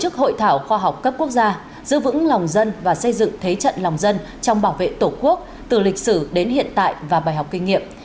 khoa học cấp quốc gia giữ vững lòng dân và xây dựng thế trận lòng dân trong bảo vệ tổ quốc từ lịch sử đến hiện tại và bài học kinh nghiệm